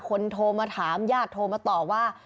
โทรมาถามญาติโทรมาต่อว่า